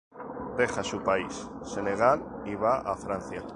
Deja su país, Senegal, y va a Francia.